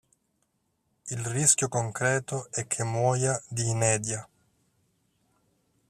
Il rischio concreto è che muoia di inedia.